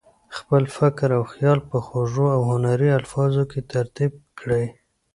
خپل فکر او خیال په خوږو او هنري الفاظو کې ترتیب کړي.